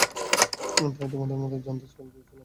তাই, তোমার মত জানতে কল করেছিলাম।